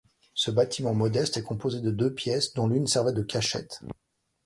Ce bâtiment modeste est composé de deux pièces, dont l'une servait de cachette.